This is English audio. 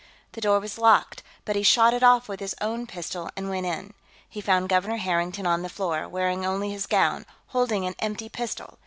The door was locked, but he shot it off with his own pistol and went in. He found Governor Harrington on the floor, wearing only his gown, holding an empty pistol.